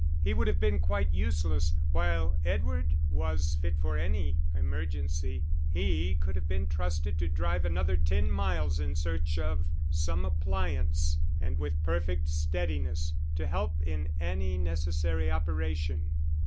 He would have been quite useless; while Edward was fit for any emergency he could have been trusted to drive another ten miles in search of some appliance, and, with perfect steadiness, to help in any necessary operation.